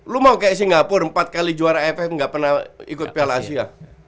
lu mau kayak singapura empat kali juara aff nggak pernah ikut piala asia